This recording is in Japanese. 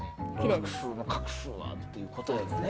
画数の画数はっていうのがね。